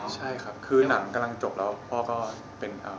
ใช่ครับคือหนังกำลังจบแล้วพ่อก็เป็นชักเลยครับ